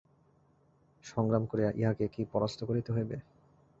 সংগ্রাম করিয়া ইহাকে কি পরাস্ত করিতে হইবে?